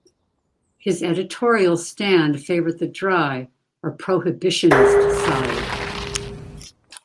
His editorial stand favored the "dry," or prohibitionist side.